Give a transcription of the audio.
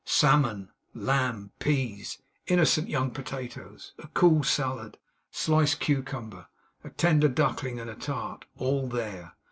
Salmon, lamb, peas, innocent young potatoes, a cool salad, sliced cucumber, a tender duckling, and a tart all there.